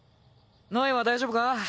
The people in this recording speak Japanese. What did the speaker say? ノイは大丈夫か？